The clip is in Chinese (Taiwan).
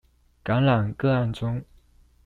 感染個案中